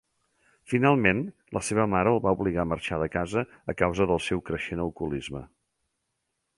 Finalment, la seva mare el va obligar a marxar de casa a causa del seu creixent alcoholisme.